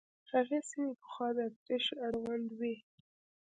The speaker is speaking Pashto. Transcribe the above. هغه سیمې پخوا د اتریش اړوند وې.